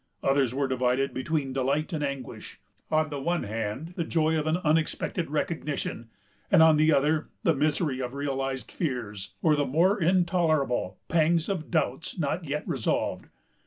Others were divided between delight and anguish: on the one hand, the joy of an unexpected recognition; and, on the other, the misery of realized fears, or the more intolerable pangs of doubts not yet resolved.